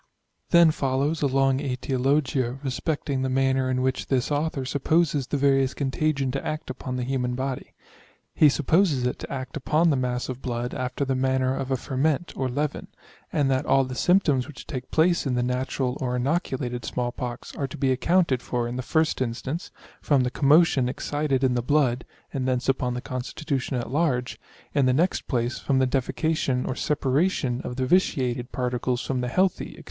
Then follows a long aetiologia respecting the manner in which this author supposes the variolous contagion to act upon the human body. He supposes it to act upon the mass of blood after the manner of a ferment or leven, and that all the symptoms which take place in the natural or inoculated small pox are to be accounted for in the 1st instance, from the commotion excited in the blood, (and thence upon the constitution at large); in the next place from the defecation or separation of the vitiated particles from the healthy, &c.